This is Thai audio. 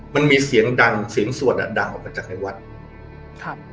มันมีเสียงดังเสียงสวดอ่ะดังออกมาจากในวัดครับ